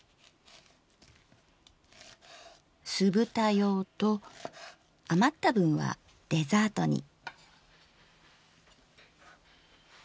すぶた用と余った分はデザートに。